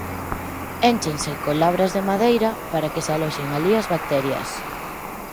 Énchense con labras de madeira para que se aloxen alí as bacterias.